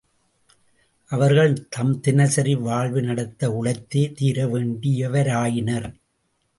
அவர்கள் தம் தினசரி வாழ்வு நடத்த உழைத்தே தீர வேண்டியவராயினர்.